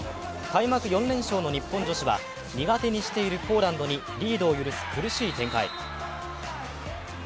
開幕４連勝の日本女子は、苦手にしているポーランドにリードを許す苦しい展開。